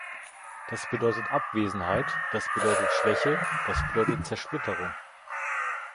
Das bedeutet Abwesenheit, das bedeutet Schwäche, das bedeutet Zersplitterung.